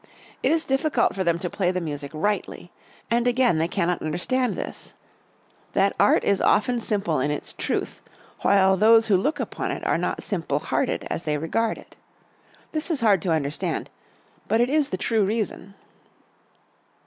It is difficult for them to play the music rightly. And again they cannot understand this: that art is often simple in, its truth, while those who look upon it are not! simple hearted, as they regard it. This is hard to understand, but it is the true reason."